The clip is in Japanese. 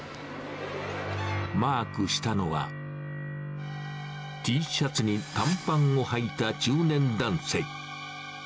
マークしたのは、Ｔシャツに短パンをはいた中年男性。